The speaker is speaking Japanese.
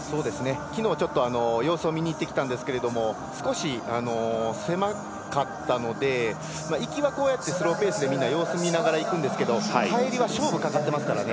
きのう様子を見に行ってきたんですけど少し狭かったので行きはスローペースで様子見ながら行くんですが帰りは勝負がかかってますからね。